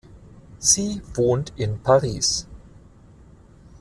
Sie wohnt in Paris.